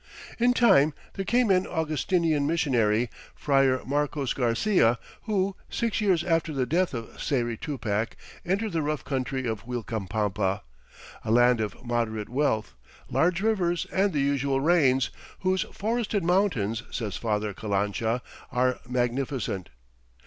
In time there came an Augustinian missionary, Friar Marcos Garcia, who, six years after the death of Sayri Tupac, entered the rough country of Uilcapampa, "a land of moderate wealth, large rivers, and the usual rains," whose "forested mountains," says Father Calancha, "are magnificent."